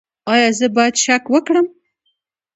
ایا زه باید شک وکړم؟